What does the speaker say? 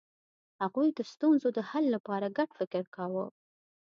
هغوی د ستونزو د حل لپاره ګډ فکر کاوه.